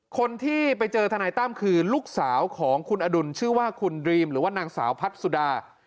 คนที่ไปเจอทนายตั้มคือลูกสาวของคุณอดุลชื่อว่าคุณดรีมหรือว่านางสาวพัดสุดา